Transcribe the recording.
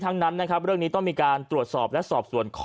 ทั้งนั้นนะครับเรื่องนี้ต้องมีการตรวจสอบและสอบส่วนข้อ